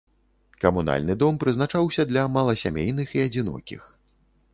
Камунальны дом прызначаўся для маласямейных і адзінокіх.